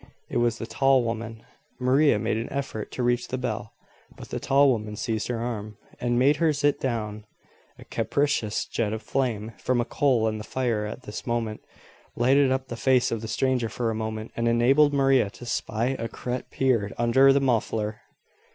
It was the tall woman. Maria made an effort to reach the bell, but the tall woman seized her arm, and made her sit down. A capricious jet of flame from a coal in the fire at this moment lighted up the face of the stranger for a moment, and enabled Maria to "spy a creat peard under the muffler."